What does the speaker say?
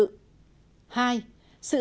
hai sự hạ chế